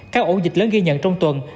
các ổ dịch lớn ghi nhận trong tuần